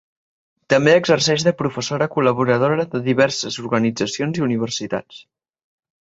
També exerceix de professora col·laboradora de diverses organitzacions i universitats.